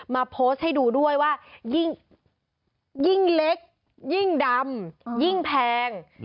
มาโพสต์ให้ดูด้วยว่ายิ่งเล็กยิ่งดำยิ่งแพง